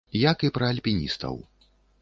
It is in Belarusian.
Як і пра альпіністаў.